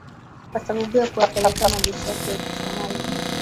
kwa sababu ya kuyapeleka majeshi yake huko somali